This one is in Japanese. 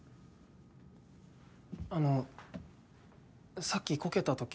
あのさっきこけた時。